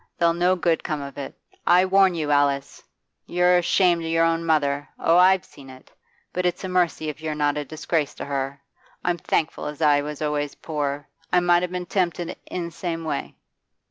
There 'll no good come of it. I warn you, Alice! You're ashamed o' your own mother oh, I've seen it! But it's a mercy if you're not a disgrace to her. I'm thankful as I was always poor; I might 'a been tempted i' the same way.